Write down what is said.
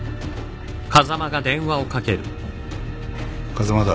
風間だ。